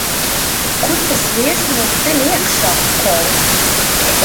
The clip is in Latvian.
Kur tas vīrs mūs pin iekšā, Koul?